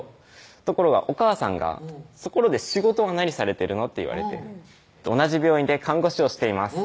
ところがおかあさんが「ところで仕事は何されてるの？」って言われて「同じ病院で看護師をしています」